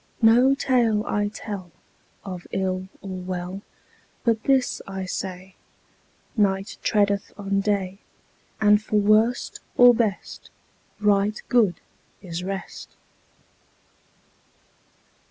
No tale I tell Of ill or well, But this I say: Night treadeth on day, And for worst or best Right good is rest.